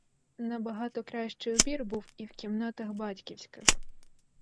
Набагато кращий убір був і в кімнатах батьківських.